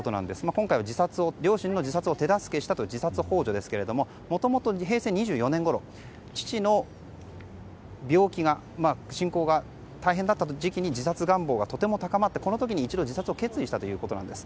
今回は両親の自殺を手助けしたという自殺幇助ですがもともと平成２４年ごろ父の病気の進行が大変だった時期に自殺願望がとても高まってこの時に一度、自殺を決意したということなんです。